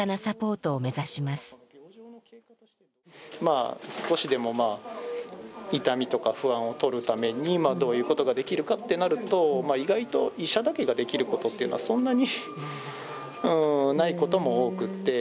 まあ少しでもまあ痛みとか不安を取るためにどういうことができるかってなると意外と医者だけができることっていうのはそんなにうんないことも多くって。